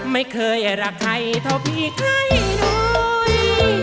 ไม่เคยรักใครเท่าพี่ใครหน่อย